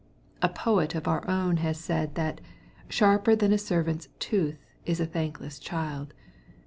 . A poet of our own has said, that ^^sharper than a serpent's tooth is a thankless child."